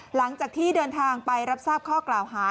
หลังจากที่เดินทางไปรับทราบข้อกล่าวหา